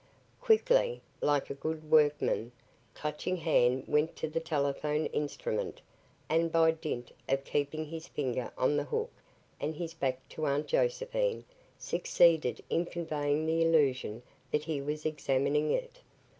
Quickly, like a good workman, Clutching Hand went to the telephone instrument and by dint of keeping his finger on the hook and his back to Aunt Josephine succeeded in conveying the illusion that he was examining it.